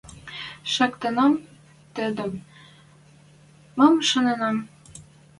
Шактенӓм тӹдӹм, мам шаненӓм